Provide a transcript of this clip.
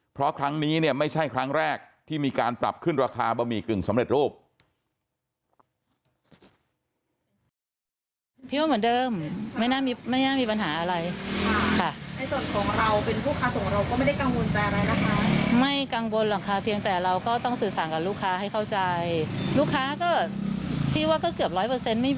เพราะครั้งนี้เนี่ยไม่ใช่ครั้งแรกที่มีการปรับขึ้นราคาบะหมี่กึ่งสำเร็จรูป